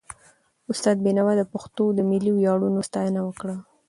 استاد بينوا د پښتنو د ملي ویاړونو ستاینه وکړه.